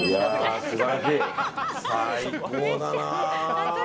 最高だな。